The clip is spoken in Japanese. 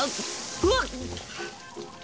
うわっ！